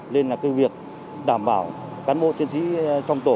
nên là cái việc đảm bảo cán bộ chiến sĩ trong tổ